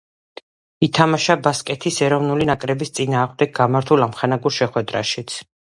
ითამაშა ბასკეთის ეროვნული ნაკრების წინააღმდეგ გამართულ ამხანაგურ შეხვედრაშიც.